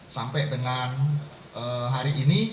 sampai dengan hari ini